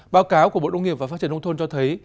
báo cáo của bộ nông nghiệp và phát triển nông thôn cho thấy